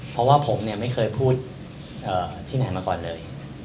เพราะว่าผมไม่เคยพูดที่ไหนมาก่อนเลย